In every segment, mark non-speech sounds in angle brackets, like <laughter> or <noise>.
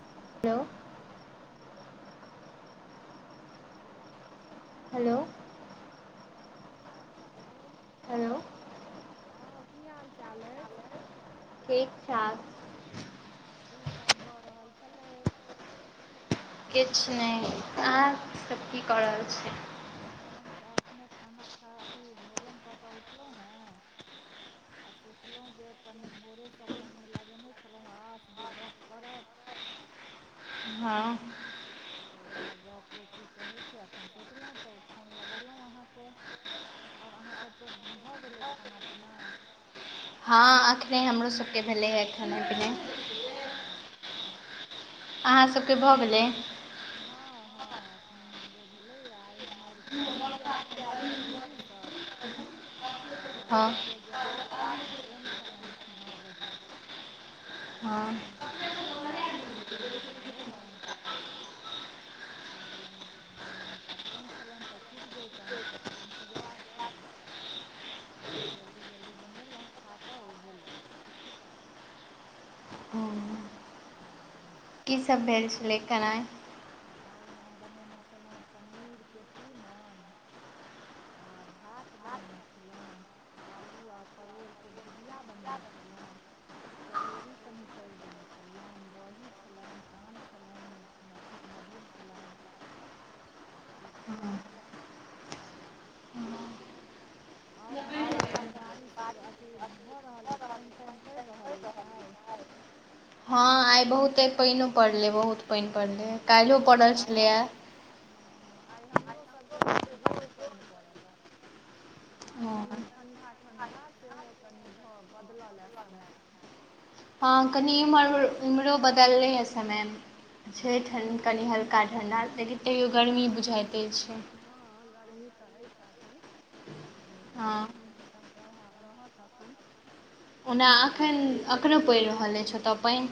<inaudible> Hello. Hello. Hello. Hello. हँ की हाल चाल ऐछ हेलो। हँ की हाल चाल अछि। <inaudible> ठीक ठाक की सब भऽ रहल छलै? किछ नै अहाँ सब की कऽ रहल छियै हम सब अखने खाना खा अथि भोजन कऽ कऽ उठलहुँ हाँ आ सोयलौं जे कनि भोरेस मोनमे लगेने छलौं आश जे गप्प करब हँ तऽ उएह गप्प की कहैत छै एखन सोचलौं तऽ फोन लगेलै अहाँकेँ औ अहाँ सभ केँ भऽ गेलै खाना पीना हँ एखने हमरो सब केँ भेलैएँ खेनाइ पीनाइ। <unintelligible> अहाँ सभ कऽभऽ गेलै हँ हँ एखने हमरो भेलैए आइ हमर भैंसुर आयल छलखिन है दिल्लीसँ <inaudible> तऽ हँ हुन केँ जयबाक छलैन ट्रेन छलैन नओ बजे तऽ हँ फेर हुन केँ दुआरे जल्दी जल्दी खाना बनेलौं तऽ कहलियनि जे हुनका ट्रेन छलैन तऽ छूटि जैइतैन तऽ टाइमसँ जेयबाक छलैन <inaudible> उएहमे जल्दी जल्दी बनैलौ खा कऽ ओ गलैथ हम्म नाय की सब भेल छलै कराय आइ हम बनेने छलहुँ पनीरके तीमन। आ भात बनेने छलहुँ। आलू आ परोड़के भुजिया बनेने छलहुँ। चरौड़ी कनि तरि देने छलियनि दही छलनि, आम छलनि। मधुर छलनि सब किछु हँ छलैन आओर अहाँसभके बारिश अथी भऽ रहल अइ पानि तानि पड़ि रहल अछि छै हँ आइ बहुते पानिो पड़ले बहुत पानि पड़ले आइ हम हँ आइ हमरोसभके बड्ड जोर पानि पड़ल हए आ कनि ठं्डा ठण्डा सेहो कनि भऽ बदलल यए समय <inaudible> हँ कनि एम्हर एम्हरो हूँ बदललैए समयमे छै हलका ठणड कनि हल्का ठण्डा लेकिन तैयो गर्मी बुझाइते छै हँ गर्मी तऽ हय छै एखन हँ मौसमके तऽभाव रहत तखन ओना एखनो पड़ि रहल अछि पानई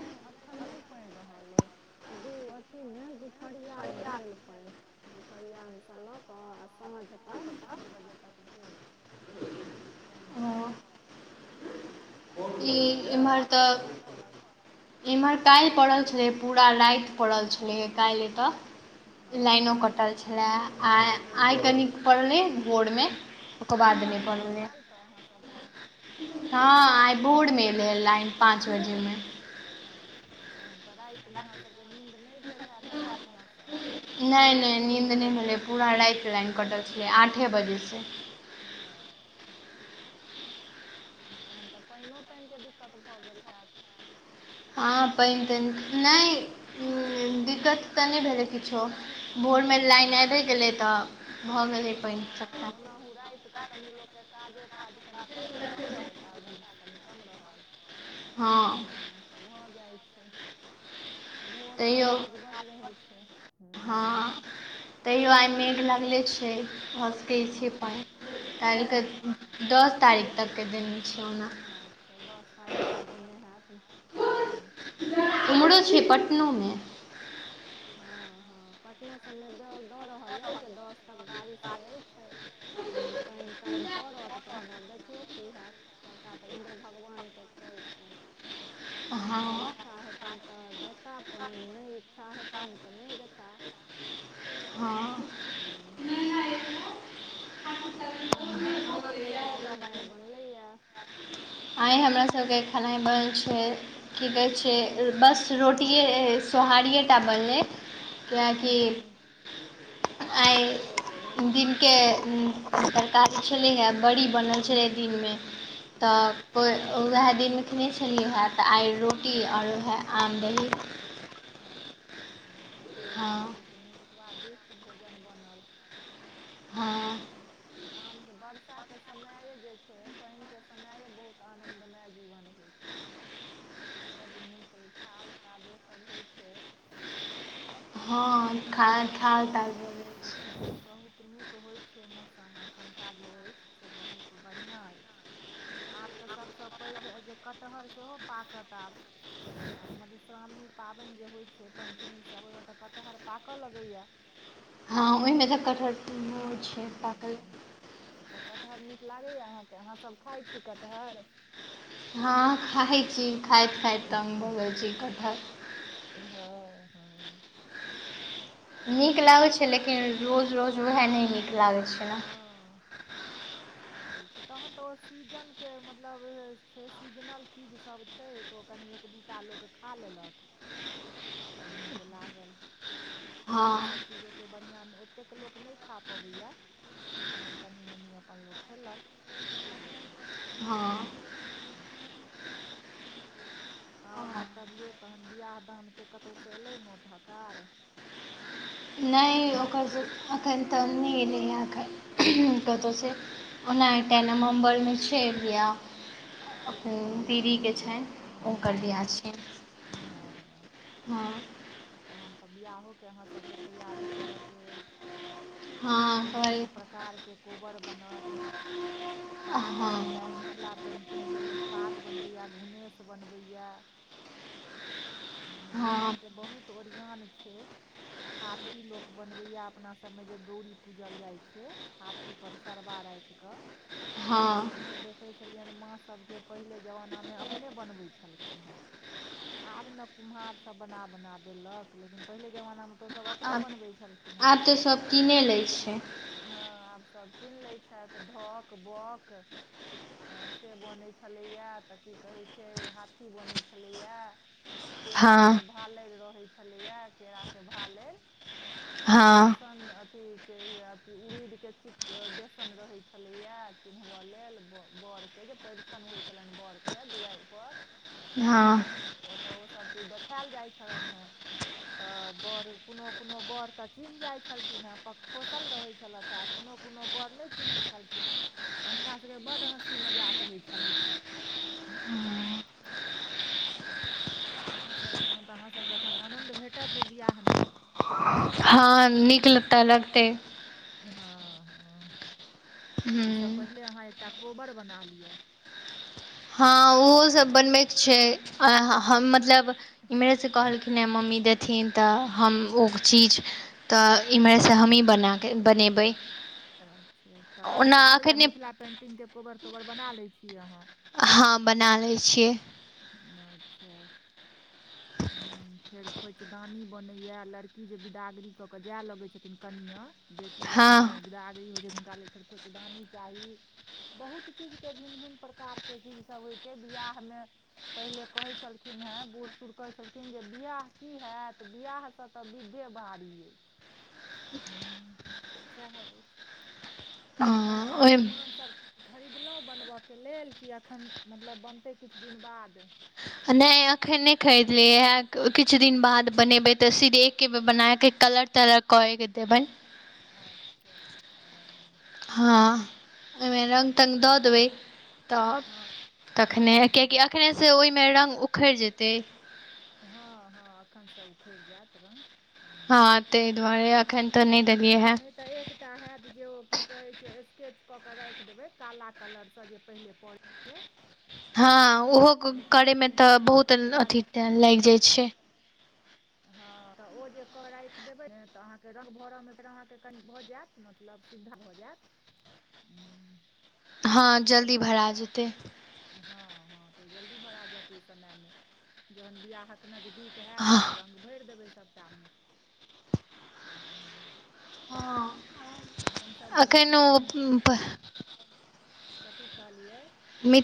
नहि एखन नहि पढ़ि रहल अइ दू अथी मे दुपरिया मे भेल पानि ग फरआानसँ लऽ कऽ आ साँझ तक पाँच बजे तक भेल पानि पड़ल ई आओर अहाँ एम्हर सभके तऽ कखन पड़ल इम्हर काल्हि पड़ल छलै पूरा राति पड़ल छलैए काल्हि एतय लाइनो हँ कटल छलय आइ आइ कन पड़लै बोरमे हँ लाइन आयल तऽ अहाँसभके हँ आइ बोर्ड मे ले लाइन पाँच बजे मे अच्छा तखन तऽ रातिमे अहाँसभके नींन्द नहि भेल हैत आइ बढ़िआँसँ नहि नहि नीन्द नहि भेलै पूरा राइट लाइन कटल छलै आठे बजेसँ ओ तहन तऽ पानिओ तानिके दिक्कत भऽ गेल होैत हँ पानि तानि नहि दिक्कत तऽ नहि भेलै किछो भोरमे लाइन आबि गेलै तऽ भऽ गेलै हँ पानि हँ सभटा ओनाहु राति क कनि लोकके काजो ताज कनि कम रहै छै काज धंधा कनि कम रहल हँ तऽ भऽ जाइ छै भोर के तैयो काज ब रहै छै ह हँ तैयो आइ मेघ लगले छै भऽ सकै छ हूँ पाइ काल्हिके हँ दस तारीख तकके दिन छै ओना अच्छा दस तारीख तक देने हयत ह कुम्हरो छै पटनोमे हँ हँ पटनो सभमे दऽ दऽ रहल अछिइ जे दस तक बारिशके अछि ह पानि तानि पड़त तहन आब देखियौ की हत सभटा तऽ इन्द्र भगवानके खेल छनि हुनका हँ इच्छा हेतनि तऽ देता पानि नहि इच्छा हेतनि तऽ नहि देता हँ हँ अच्छा आओर अहाँके की सब आइ खेनाइ बनलैया आइ हमरा सबके खेनाइ बनल छै की कहै छै बस रोटिए सोहारिए टा बनलै कियाकि हूँ आइ दिनके तरकारी छलैया आ बड़ी बनल छलै दिनमे तऽ अच्छा वएह दिनमे खेने छलियैे हं तऽ आइ रोटी आओर वएह आम दही अच्छा हँ तखन तऽ हँ बहुत नीक स्वादिष्ट भोजन बनल हँ आमके बर्षा के समय जे छै पानि के समये बहुत आनंदमय जीवन होइ छै बड्ड नीक थाल कादोसभ होइ छै हँ खाल ह थाल बहुत ताल बोलै छै। बहुत नीक होइ छै मौसम अखुनका जे अछि से बहुत बढ़िआँ अछि आब तऽ सभसँ पैघ जे कटहर सेहो पाकत आब मधुश्रामणी पाबनि जे होइत छै पञ्चमीसभ ओहिमे तऽ कटहर पाकऽ लगैया ओमे तऽ कटहर छै पाकल हँ तऽ कटहर नीक लागैए अहाँकेँ अहाँसभ खाइ छी कटहर हँ खाइ छी खाइत खाइत तंग भऽ गेल छी कटहर हँ हँ नीक लागै छै लेकिन रोज रोज उएह नहि नीक लागै छै ने हँ सएह होइ छै तहन तऽ ओ सीजन के मतलब छै सीजनल चीजसभ छै छै तऽ ओ कनि एक दूटा लोक खा लेलक तऽ नीक लागल सएह छै हँ ओसभ चीज ओतेक बढ़िआँ ओतेक लोक नहि खा पबैया तहन कनि मनी अपन लोक खेलक हँ <unintelligible> छै आओर हँ बतबियौ तखन बिआह दानके कतहुसँ एलै नोत हकार नहि ओकर एखन तऽ नहि एलैए एखन कतहुसँ ओना एकटा अच्छा नवम्बरमे छै बियाह दीदीके छनि हुनकर बिआह छियनि अच्छा हँ हँ हँ तखन तऽ बियाहोके अहाँसभके तैयारी करऽ के अछि हँ भिन्न भिन्न हँ प्रकारके कोबर बनत पाग आइ काल्हि मिथिला पेन्टिंगके लोक पाग बनबैए घुनेसँ बनबैए हँ बियाहके बहुत ओरियान छै हाथी लोक बनबै या अपना सब मे जे गौड़ी पूजल जाय छै हा थीपर सरबा राखिकऽ हँ सेहो देखै छलियनि माँसभके पहिले जमानामे अपने बनबैत छलखिन हेँ आब ने कुम्हारसभ बना बना देलक लेकिन पहिले जमानामे तऽ ओसभ अपने आब बनबै छलखिन हेँ आब तऽ सभ कीने लै छै हँ आब सभ कीन लै छै ढोक बौक अ से बन छलैया तऽ की कहे छै हाथी बनै छलेया हँ केराकेँ भालैर रहै छलैए केरा केँ भालैर हँ बेसन अथी उड़ीद केँ ची बेसन रहै छलैया चिन्हब लेल के पाछन होइ छलैन बर केँ दुआइर पर हँ तऽ ओ तऽ ओ सब चीज देखायल जाइ छलैन है तऽ बड़ कोनो कोनो बड़ तऽ चिन्ह जाइत छलखिन हँ पक ठोसल रहैत छलैथ है कोनो कोनो बड़ नै चिन्हैत छलखिन तऽ हुनका सभ केँ बड्ड हँसी मजाक होइ छलैन <unintelligible> सेह सभ अय तहन तऽ अहाँ सभ केँ एखन आनन्द भेटत ओ विआह में हँ नीक लता लगते हँ हँ <inaudible> ओइ सँ हूँ पहिनेे अहाँ एकटा कोबर बना लिअ हँ ओहो सब बनबै केँ छै ह हम मतलब इम्हरेसँ कहलखिन हे मम्मी देथिन तऽ हम ओ चीज तऽ इम्हरसँ हमही बना कऽ बनेबै अच्छा तऽ अहाँ ओना केँ आबैए एखने मिथिला पेन्टिंग केँ कोबर तोबर बना लै छी अहाँ हँ बना लै छियै अच्छ <inaudible> फेर खोइच दानी बनैया लड़की जे बिदागरी कऽ कऽ जाय लगैत छथिन कनियाँ बेटी जे हँ अपना सभमे बिदागरी होइ छै तऽ हुनका लेल फेर खोइछदानी चाही बहुत चीज केँ भिन्न भिन्न प्रकार केँ चीजसभ होइ छै बियाह में पहिले कहै छलखिन हेँ बूढ़ सूढ़ कहै छलखिन जे बियाह की हयत बियाह स तऽ विधे बारी अछि <inaudible> तऽ सेह ऐछ हँ तहन अहाँ ओहि सामान सभ खरीदलौ बनबय केँ लेल कि एखन मतलब बनतै किछ दिन बाद नै अखन नहि खरीदलियै किछ दिन बाद बनेबै तऽ सिर एक बेर बनै केँ कलर तकर केँ कऽ देबै अच्छ हँ हँ ओहिमे रंग तंग दऽ देबै तब हँ तखने हँ कियकि एखने से ओइमें रंग उखेड़ जेतै हँ हँ एखनसँ उखेड़ जायत रंग हँ ता दुआरे अखन तऽ नै देलियै हैं नहि तऽ एकटा हयत जे ओ की कहे छै स्केच कऽ केँ राख देबे काला कलर से जे पहिले पड़े जे हँ ओहो करय में तऽ पेन्टिंग बहुत ओकर बाद अथी टाइम हँ लाइग जाइ छै हँ तऽ ओ जे कऽ राखि देबै तऽ अहाँ केँ रंग भरै में अहाँ केँ कनि भऽ जायत मतलब सुविधा भऽ जायत हँ <inaudible> आ तकर जल्दी बाद भरा ओकरा जेतै पर हँ हँ तऽ ओ जल्दी भरा जायत ओइ समय में जहन बियाहक नजदीक होयत हँ रंग भैर देबै सबरा में <inaudible> हमसभ जे मिथिला पेंट <unintelligible> कथी कहलियै मि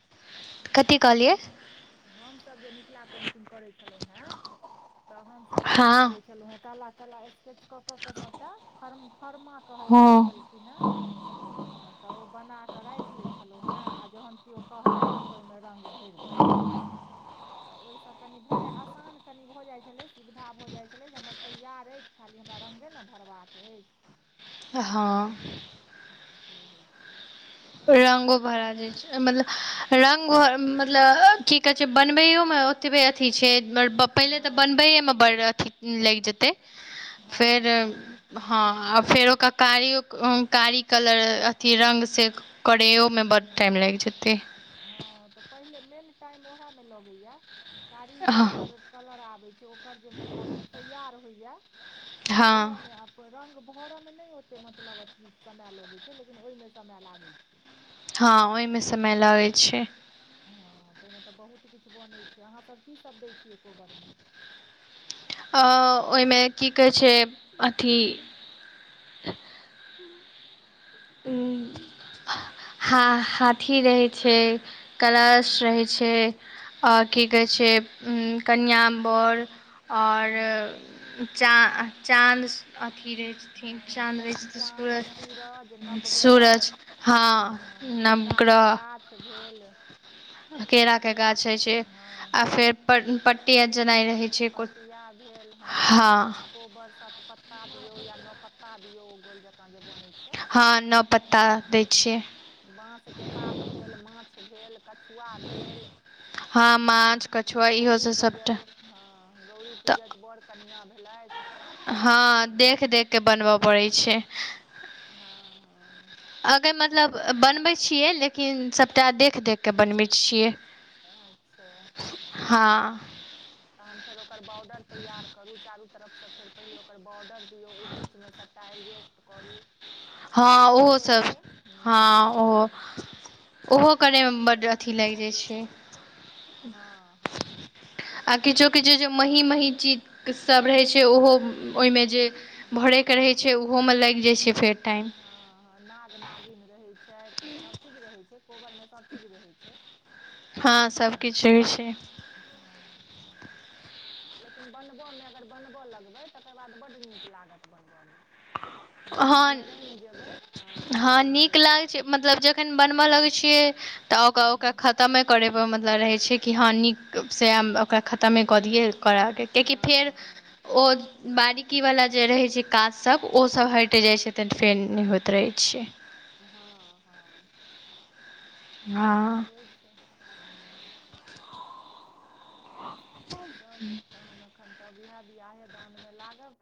<inaudible> कथी कहलियै हमसभ जे मिथिला पेन्टिग करैत छलहुँ हे तऽ हमसभ सएह हँ करैत छलहुँ चेलु हे काला काला स्केच के के सभटा फ फोर्मा कह जाइत छल हँ क न ह तऽ ओ बनाक राखि ले छलहुँ हे आ जहन केओ कहलथि तऽ ओहिमे रंग भरि देलहुँं तऽ ओहिसँ कनि भऽ जाइ आसान कनि भऽ जाइत छलै सुविधा भ जाइत छलै जे हमर तैयार अछि खाली हमरा रगे ने भरबाक अछि हा तऽ से होइ छलै। रंगो भरा जे छै मतलब रगे मतलब कि कहै छै बनबैयोमे ओतबे अथी छै पहिले तऽ हँ बनबैएमे बड़ अथी लागि जेतै फेर। हँ हँ फेर ओक कारिय कारी कलर अथि रंग से करेय म बहुत टाइम लागि जे जतै ह तऽ पहिले मेन टाइम उएहमे लगैया कारी जे हँ ओकर कलर आबैत छै ओकर जे मतलब तेयार होइएा त हँ ओएहेमे आ रंग भरय मे नहि ओते मतलब अथि समय लगैत छै लेकिन ओहि मे समय लागै छै ह ओहि मे समय मेला होई छै। हँं तय मे त बहुत किछु बनै छै अहाँ सभ कि सभ दैत छियै कोबर मे अ ओहि मे कि कहै छै अथि ह ह हाथी रहै छै कलश हूँ रहै छै आ कि कहैत छै कनिआ बर ओर हूँ चा चाँद अथि रहै हँ चांद चन चाँद सूरज नवग्रह सूरज ह हँ केराके नवग्रह गाछ भेल केरा के गाछ होय छै हँ आ फेर पट्टी जेना रहै छै को पटिया भेल ह फेर हँ कोबर सत पत्ता दियो या न पत्ता दियऔ ओ गोल जका जे बनै छै ह नओ पत्ता दै छियै बास के पात भेल माछ भेल कछु पुआ भेल हँ माछ हु कछुआ इहो गौरी सब सबटा पूजत ह गौड़री तऽ पूजतऽ बड़ कनिआ भेलथि हँ देख देख कऽ बनबऽ पड़ै छै ह ह अगर मतलब बनबैत छियै लेकिन सभटा देख देख क बनबैत छियै अच्छा ह हँ तहन फेर ओकर बॉर्डर तैयार करू चारू तरफ स फेर पहिने ओकर बॉर्डर दियौ ओय बीच मे सभटा एडजेस्ट करू हँ सभचीज ओहो होइ सभ छै ह हँ ओहो हँ ओहो करय मे बड़ अथि लागि जाइ छै ह ह आ किछो किछो जे मही मही चीज सभ रहैत छै ओहो ओय मे जे हँ भरे के रहै छै ओहोमे लागि जाइ छै फेर टाइम ह नाग नागिन रहैत छथि सभ चीज रहैत छै कोबर मे सभ चीज रहैत छै हँ सभ किछु होय छै ह ह लेकिन बनबऽ मे अगर बनबऽ लगबे तकर बाद बड़ नीक लागत बनबऽ मे जहन हँ ओहिमे रमे जेबै ह तऽ ओ हँ बड नीक लागै लागत छै ओहि मतलब जखन बनबए लगे छीये तक ओकऽ ओकरा हूँ खतमे करे मतलब रहै छै कि ह नीक सँ हम ओकरा खतमे कऽ दियै किया फेर हँ हँ ओ बारीकी वाला जे रहै छै काज सभ सभ हटि जाइ छै त फेन नहि होइत रहै छै ह ह सएह हँ होइ छै ह <unintelligible> आओर सभ तहन एखन तब इएह वियाहे दानमे लागब